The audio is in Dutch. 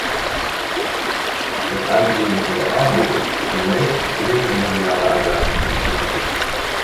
Het uitroeien van de armoede is de meest dringende mondiale uitdaging van onze tijd.